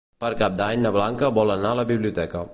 Per Cap d'Any na Blanca vol anar a la biblioteca.